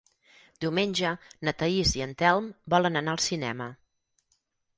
Diumenge na Thaís i en Telm volen anar al cinema.